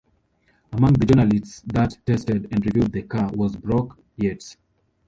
Among the journalists that tested and reviewed the car was Brock Yates.